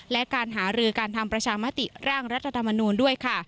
และการหารือการทำประชามติร่างรัฐธรรมนูลด้วยค่ะ